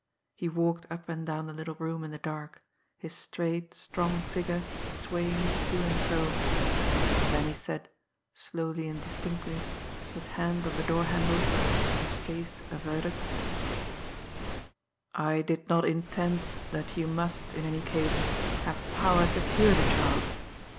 He walked up and down the little room in the dark, his straight, strong figure swaying to and fro. Then he said — slowly and distinctly — his hand on the door handle — his face averted : "I did not intend that you must, in any case, have power to cure the child.